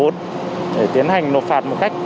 để tiến hành nộp phạt một cách